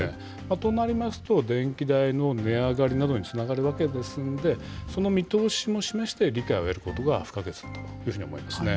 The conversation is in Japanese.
となりますと、電気代の値上がりなどにつながるわけですので、その見通しも示して、理解を得ることが不可欠だというふうに思いますね。